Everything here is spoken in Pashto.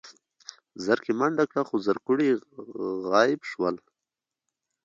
زرکې منډه کړه خو زرکوړي غيب شول.